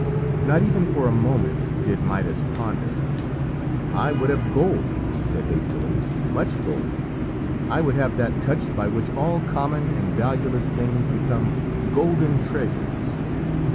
Not even for a moment did Midas ponder. "I would have gold," he said hastily "much gold. I would have that touch by which all common and valueless things become golden treasures."